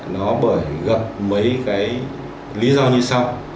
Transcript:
nó bởi gặp mấy lý do như sau